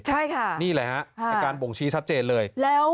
ใช่ค่ะนี่แหละฮะอาการบ่งชี้ชัดเจนเลย